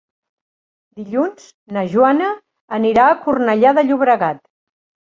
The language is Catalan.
Dilluns na Joana anirà a Cornellà de Llobregat.